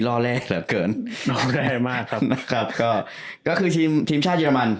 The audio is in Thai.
ล่อแรกเหลือเกินรอได้มากครับนะครับก็คือทีมทีมชาติเรมัน